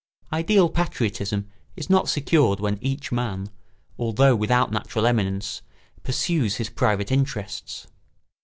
Ideal patriotism is not secured when each man, although without natural eminence, pursues his private interests.